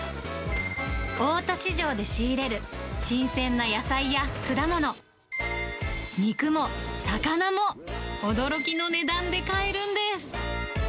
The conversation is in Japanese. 大田市場で仕入れる新鮮な野菜や果物、肉も、魚も驚きの値段で買えるんです。